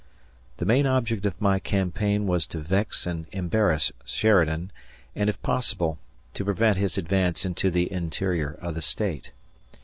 The main object of my campaign was to vex and embarrass Sheridan and, if possible, to prevent his advance into the interior of the State.